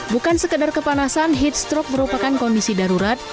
bukan sekedar kepanasan heat stroke merupakan kondisi darurat